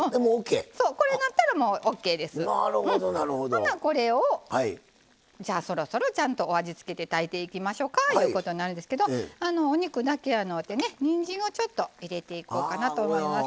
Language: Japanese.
ほなこれをじゃあそろそろちゃんとお味付けて炊いていきましょかいうことになるんですけどお肉だけやのうてねにんじんをちょっと入れていこうかなと思います。